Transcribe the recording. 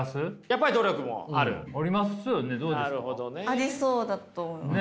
ありそうだと思います。